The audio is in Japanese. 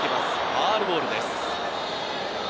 ファウルボールです。